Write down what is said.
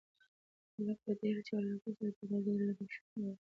هلک په ډېر چالاکۍ سره د دروازې له درشل څخه ووت.